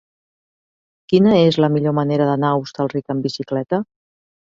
Quina és la millor manera d'anar a Hostalric amb bicicleta?